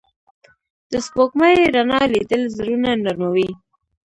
د سپوږمۍ رڼا لیدل زړونه نرموي